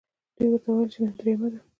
دوی ورته وویل چې نن درېیمه ده.